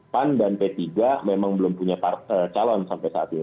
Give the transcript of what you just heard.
pan dan p tiga memang belum punya calon sampai saat ini